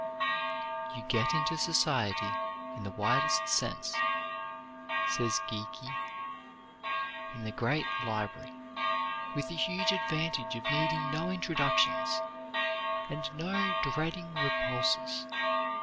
"You get into society, in the widest sense," says Geikie, "in a great library, with the huge advantage of needing no introductions, and not dreading repulses.